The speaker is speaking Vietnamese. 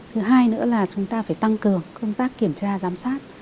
thứ hai nữa là chúng ta phải tăng cường công tác kiểm tra giám sát